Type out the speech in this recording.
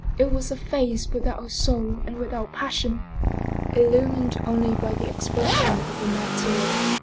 It was a face without a soul and without passion, illumined only by the expression of a mighty will.